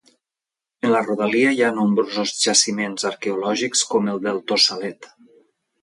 En la rodalia hi ha nombrosos jaciments arqueològics com el del Tossalet.